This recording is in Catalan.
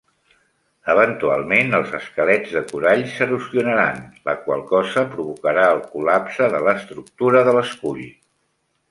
Eventualment, els esquelets de corall s'erosionaran, la qual cosa provocarà el col·lapse de l'estructura de l'escull.